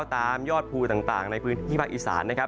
ตามยอดภูต่างในพื้นที่ภาคอีสานนะครับ